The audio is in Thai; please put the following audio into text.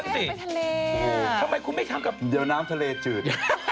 ไปทะเลทำไมคุณไม่ทำกับเดี๋ยวน้ำทะเลจืด